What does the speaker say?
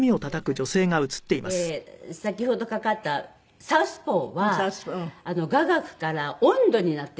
で先ほどかかった『サウスポー』は雅楽から音頭になってるんですね。